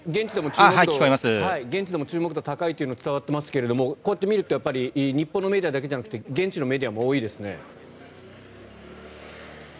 現地でも注目度が高いというのが伝わってますけどもこうやって見ると日本のメディアだけじゃなくて現地のメディアも多いですね。